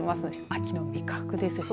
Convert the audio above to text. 秋の味覚ですし。